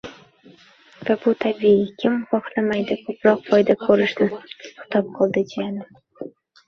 Va bu tabiiy – “kim xohlamaydi ko‘proq foyda ko‘rishni?!” – xitob qildi jiyanim.